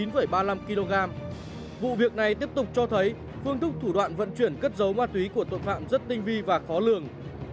vụ việc này tiếp tục cho thấy phương thức thủ đoạn vận chuyển cất dấu ma túy của tội phạm rất tinh vi và khó lường